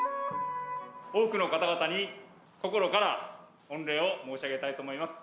多くの方々に心から御礼を申し上げたいと思います。